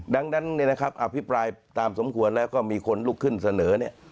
ดังนั้นเนี่ยนะครับอภิปรายตามสมควรแล้วก็มีคนลุกขึ้นเสนอเนี่ย